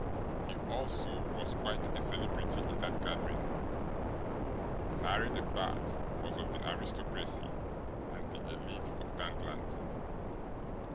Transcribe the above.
He also was quite a celebrity in that gathering Larry the Bat was of the aristocracy and the elite of gangland.